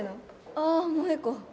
ああ萌子